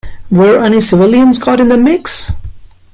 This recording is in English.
Were any civilians caught in the mix?